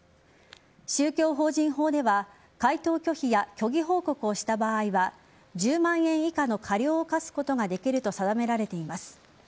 宗教法人法では回答拒否や虚偽報告をした場合は１０万円以下の過料を科すことができると定められています。